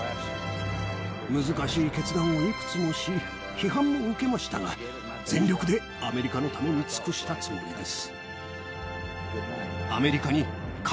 難しい決断をいくつもし、批判も受けましたが、全力でアメリカのために尽くしたつもりです。